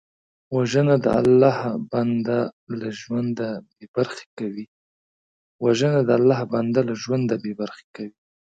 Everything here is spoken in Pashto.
وژنه د الله بنده له ژونده بېبرخې کوي